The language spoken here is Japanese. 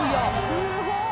すごい！